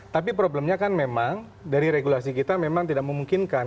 tapi problemnya kan memang dari regulasi kita memang tidak memungkinkan